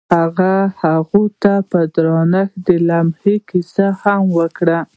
هغه هغې ته په درناوي د لمحه کیسه هم وکړه.